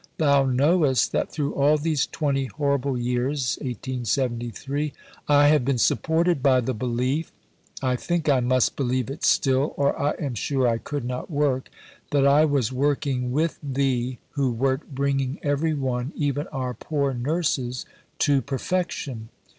Thou knowest that through all these 20 horrible years I have been supported by the belief (I think I must believe it still or I am sure I could not work) that I was working with Thee who wert bringing every one, even our poor nurses, to perfection."